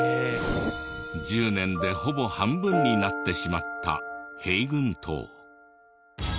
１０年でほぼ半分になってしまった平郡島。